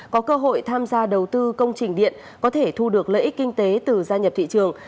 có cơ hội tham gia đầu tư công trình điện có thể thu được lợi ích kinh tế từ gia nhập thị trường